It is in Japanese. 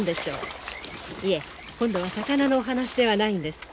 いえ今度は魚のお話ではないんです。